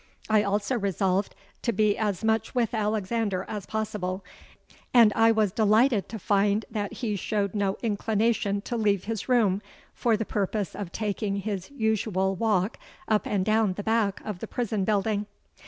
I also resolved to be as much with Alexander as possible; and I was delighted to find that he showed no inclination to leave his room for the purpose of taking his usual walk up and down the back of the prison building.